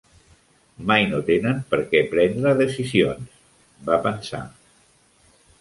Mai no tenen per què prendre decisions, va pensar.